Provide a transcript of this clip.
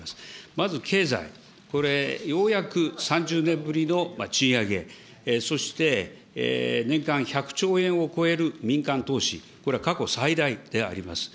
まず経済、これようやく３０年ぶりの賃上げ、そして年間１００兆円を超える民間投資、これは過去最大であります。